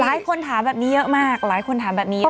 หลายคนถามแบบนี้เยอะมากหลายคนถามแบบนี้